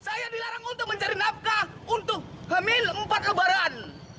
saya dilarang untuk mencari nafkah untuk hamil empat lebaran